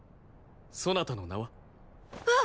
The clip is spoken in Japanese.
そなたの名は？あっ！